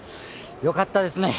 よかったですね！